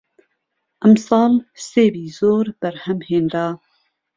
ئەمساڵ سێوی زۆر بەرهەم هێنرا